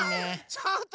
ちょっと！